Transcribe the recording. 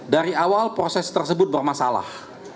dari awal proses tersebut bermasalah